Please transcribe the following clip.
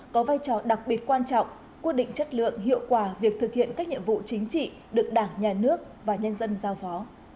có vai trò đặc biệt quan trọng quyết định chất lượng hiệu quả việc thực hiện các nhiệm vụ chính trị được đảng nhà nước và nhân dân giao phó